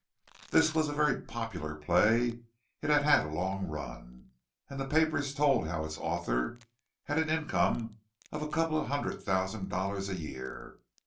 This was a very popular play; it had had a long run, and the papers told how its author had an income of a couple of hundred thousand dollars a year.